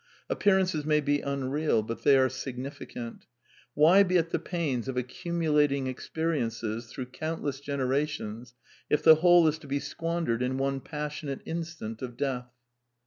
Appearances may be unreal, but they are significant. Why be at the pains of accumulating experiences through countless generations if the whole is to be squandered in one passionate instant of death